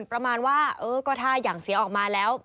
ประมาณว่าเออก็ถ้าอย่างเสียออกมาแล้ว